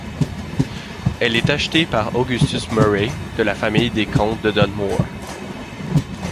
Elle est achetée par Augustus Murray, de la famille des comtes de Dunmore.